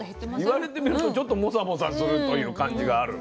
言われてみるとちょっとモサモサするという感じがある。